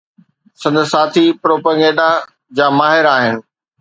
سندس ساٿي پروپيگنڊا جا ماهر آهن.